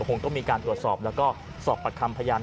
คงต้องมีการตรวจสอบแล้วก็สอบประคำพยาน